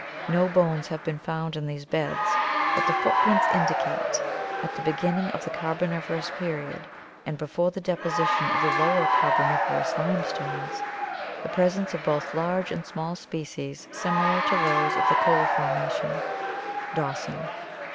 No bones have been found in these beds, but the footprints indicate, at the be ginning of the Carboniferous period and before the deposition of the Lower Carboniferous limestones, the presence of both large and small species similar to those of the coal formation (Dawson).